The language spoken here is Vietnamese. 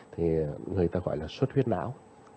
thì người ta gọi là suất huyết não